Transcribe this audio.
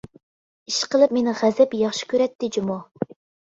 ئىشقىلىپ مېنى غەزەپ ياخشى كۆرەتتى جۇمۇ.